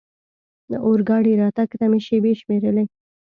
اورګاډي راتګ ته مې شېبې شمېرلې.